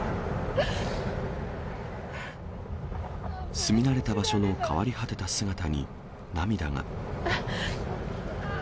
住み慣れた場所の変わり果てた姿に涙が。